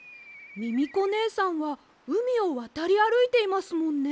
ミミコねえさんはうみをわたりあるいていますもんね。